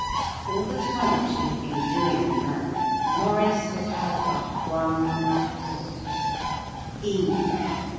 All the time she had been doing the map, Maurice had had but one thought: _Ink!